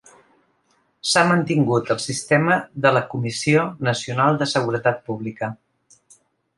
S'ha mantingut el sistema de la Comissió Nacional de Seguretat Pública.